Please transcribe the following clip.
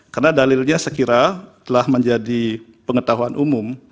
karena dalilnya sekiranya telah menjadi pengetahuan umum